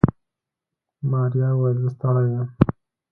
ماريا وويل زه ستړې يم.